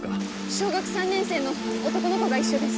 小学３年生の男の子が一緒です。